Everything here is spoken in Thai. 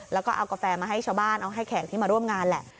แล้วก็เอากาแฟมาให้ชาวบ้านเอาให้แขกที่มาร่วมงานแหละ